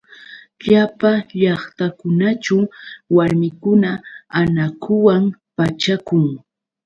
Llapa llaqtakunaćhu warmikuna anakuwan pachakun.